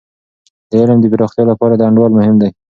د علم د پراختیا لپاره د انډول مهم دی.